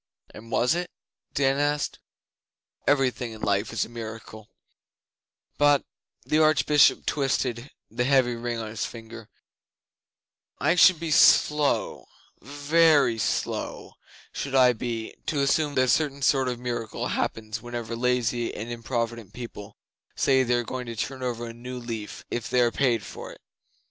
'And was it?' Dan asked. 'Everything in life is a miracle, but' the Archbishop twisted the heavy ring on his finger 'I should be slow ve ry slow should I be to assume that a certain sort of miracle happens whenever lazy and improvident people say they are going to turn over a new leaf if they are paid for it.